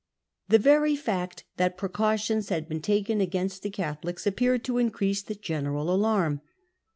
The very fact that precautions had been taken against the Catholics appeared to increase the general alarm.